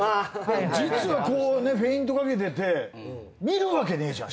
実はフェイントかけてて見るわけねえじゃん